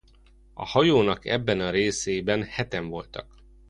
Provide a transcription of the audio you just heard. A hajónak ebben a részében heten voltak.